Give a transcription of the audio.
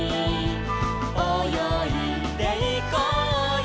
「およいでいこうよ」